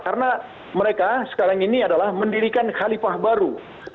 karena mereka sekarang ini adalah mendirikan khalifah baru